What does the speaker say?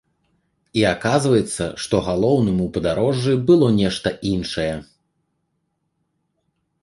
І аказваецца, што галоўным у падарожжы было нешта іншае.